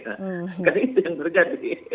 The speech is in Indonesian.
karena itu yang terjadi